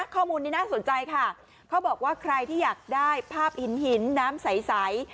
ข้อมูลนี้น่าสนใจค่ะเขาบอกว่าใครที่อยากได้ภาพหินหินน้ำใส